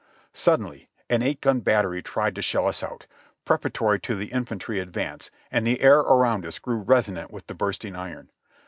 Suddenly an eight gun battery tried to shell us out, prepara tory to the infantry advance, and the air around us grew resonant with the bursting iron.